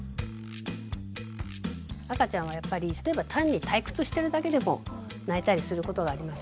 赤ちゃんはやっぱり例えば単に退屈してるだけでも泣いたりすることがあります。